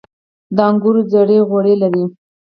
د انګورو زړې غوړي لري.